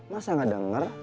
masa gak denger